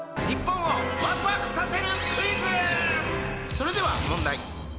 それでは問題！